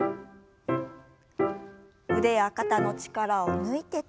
腕や肩の力を抜いて。